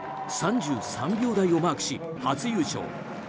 ３３秒台をマークし、初優勝。